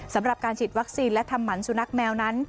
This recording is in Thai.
สำหรับการฉีดวัคซีนและทำหมันสุนัขแมวนั้น